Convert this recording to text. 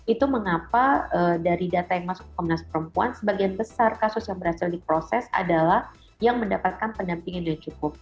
itu mengapa dari data yang masuk komnas perempuan sebagian besar kasus yang berhasil diproses adalah yang mendapatkan pendampingan yang cukup